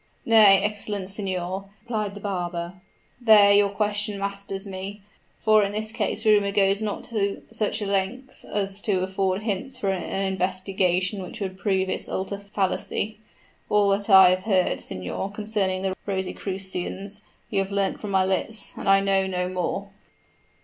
"Nay, excellent signor," replied the barber; "there your question masters me; for in this case rumor goes not to such a length as to afford hints for an investigation which would prove its utter fallacy. All that I have heard, signor, concerning the Rosicrucians, you have learnt from my lips; and I know no more."